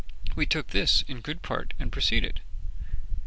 We took this in good part, and proceeded.